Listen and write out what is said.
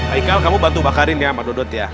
aikal kamu bantu bakarin ya sama dodot ya